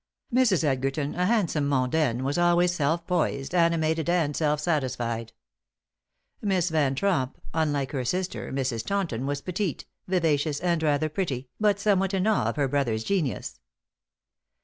Mrs. Edgerton, a handsome mondaine, was always self poised, animated and self satisfied. Miss Van Tromp, unlike her sister, Mrs. Taunton, was petite, vivacious and rather pretty, but somewhat in awe of her brother's genius.